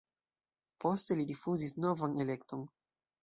Poste li rifuzis novan elekton.